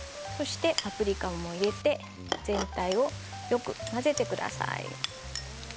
パプリカも入れて全体をよく混ぜてください。